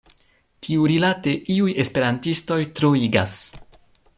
Tiurilate iuj esperantistoj troigas.